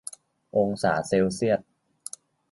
องศาเซลเซียล